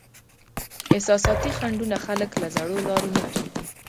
احساساتي خنډونه خلک له زړو لارو نه پرېږدي.